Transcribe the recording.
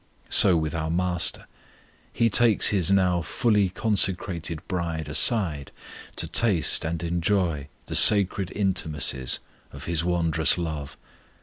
So with our MASTER: He takes His now fully consecrated bride aside, to taste and enjoy the sacred intimacies of His wondrous love.